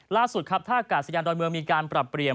ล่าสุดครับท่ากาศยานดอนเมืองมีการปรับเปลี่ยน